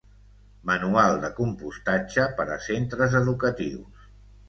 Manual de compostatge per a centres educatius.